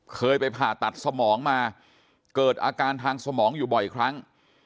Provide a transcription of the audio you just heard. เคยไปผ่าตัดสมองมาเกิดอาการทางสมองอยู่บ่อยครั้ง